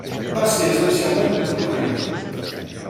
Va ser essencialment un tenor líric.